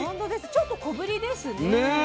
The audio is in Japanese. ちょっと小ぶりですね。